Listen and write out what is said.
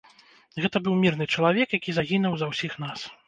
Гэта быў мірны чалавек, які загінуў за ўсіх нас.